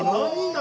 何？